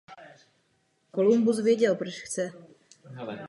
Po propuštění pracoval v uranových dolech v Jáchymově.